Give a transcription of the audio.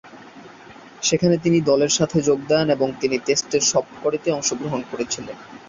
সেখানে তিনি দলের সাথে যোগ দেন ও তিন টেস্টের সবকটিতেই অংশগ্রহণ করেছিলেন।